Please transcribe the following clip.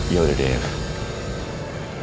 ya udah devi